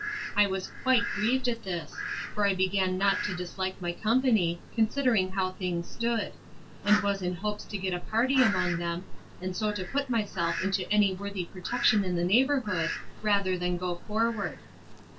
I was quite grieved at this; for I began not to dislike my company, considering how things stood; and was in hopes to get a party among them, and so to put myself into any worthy protection in the neighbourhood, rather than go forward.